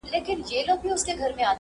• سره جمع کړي ټوټې سره پیوند کړي -